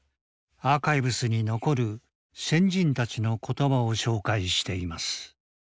アーカイブスに残る先人たちの言葉を紹介しています。